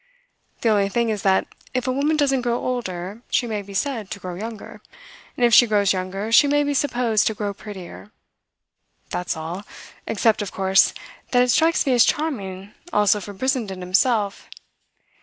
The only thing is that if a woman doesn't grow older she may be said to grow younger; and if she grows younger she may be supposed to grow prettier. That's all except, of course, that it strikes me as charming also for Brissenden himself.